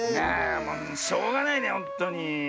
しょうがないねほんとに。